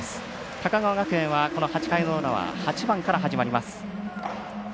高川学園はこの８回の裏は８番から始まります。